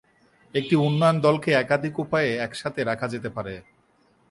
একটি উন্নয়ন দলকে একাধিক উপায়ে একসাথে রাখা যেতে পারে।